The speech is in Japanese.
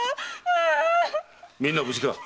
みんな無事か？